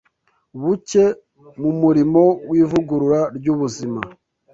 buke mu murimo w’ivugurura ry’ubuzima?